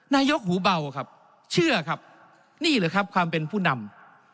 นายกหูเบาครับเชื่อครับนี่หรือครับความเป็นผู้นำ